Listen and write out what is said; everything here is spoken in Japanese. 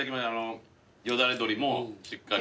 よだれどりもしっかり。